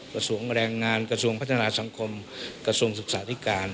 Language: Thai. กระทรวงแรงงานกระทรวงพัฒนาสังคมกระทรวงศึกษาธิการ